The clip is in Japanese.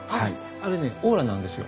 あれねオーラなんですよ。